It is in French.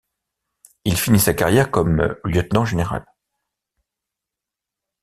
Il finit sa carrière comme lieutenant général.